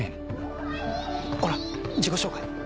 ほら自己紹介。